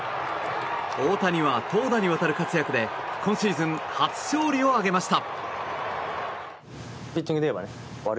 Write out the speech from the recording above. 大谷は投打にわたる活躍で今シーズン初勝利を挙げました。